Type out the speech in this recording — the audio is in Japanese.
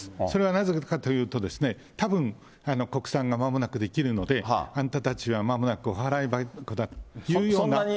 それはなぜかというと、たぶん、国産がまもなく出来るので、あんたたちはまもなくお払い箱だというような。